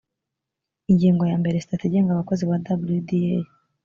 ingingo ya mbere sitati igenga abakozi ba wda